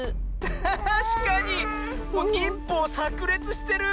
たしかに！にんぽうさくれつしてる！